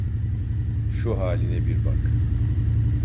Şu haline bir bak!